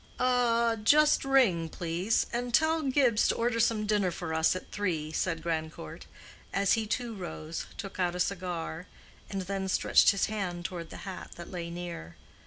"A—just ring, please, and tell Gibbs to order some dinner for us at three," said Grandcourt, as he too rose, took out a cigar, and then stretched his hand toward the hat that lay near.